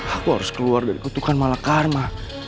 aku harus keluar dari kutukan malakarma